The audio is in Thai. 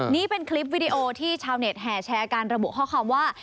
นี่เป็นคลิปวิดีโอที่ชาวเน็ตแห่แชร์การระบุข้อความว่า